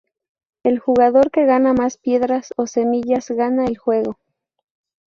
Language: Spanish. El jugador que gana más piedras o "semillas" gana el juego.